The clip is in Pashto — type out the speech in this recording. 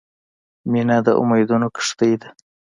• مینه د امیدونو کښتۍ ده.